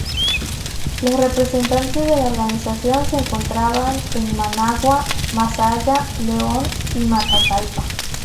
Los representantes de la organización se encontraban en Managua, Masaya, León y Matagalpa.